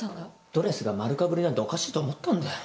ドレスが丸かぶりなんておかしいと思ったんだよ。